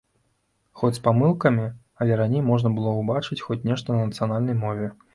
Хоць з памылкамі, але раней можна было ўбачыць хоць нешта на нацыянальнай мове.